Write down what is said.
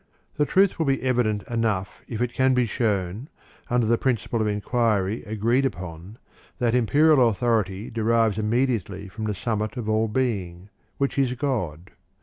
The truth will be evident enough if it can be shown, under the principle of inquiry agreed upon, that Imperial authority derives immediately from the summit of all being, which is God.